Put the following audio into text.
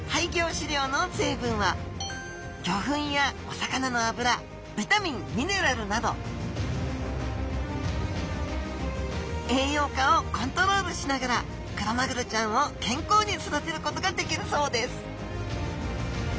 飼料の成分は魚粉やお魚の油ビタミンミネラルなど栄養価をコントロールしながらクロマグロちゃんを健康に育てることができるそうです